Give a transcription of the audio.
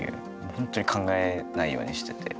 本当に考えないようにしてて。